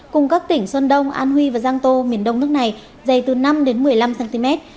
cùng các tỉnh xuân đông an huy và giang tô miền đông nước này dày từ năm một mươi năm cm